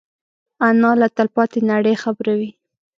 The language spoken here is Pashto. انا له تلپاتې نړۍ خبروي